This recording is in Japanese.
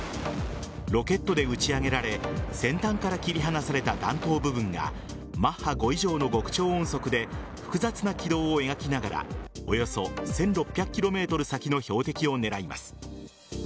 ロケットで打ち上げられ先端から切り離された弾頭部分がマッハ５以上の極超音速で複雑な軌道を描きながらおよそ１６００ｋｍ先の標的を狙います。